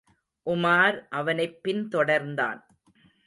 உமார் அவனைப் பின்தொடர்ந்தான்.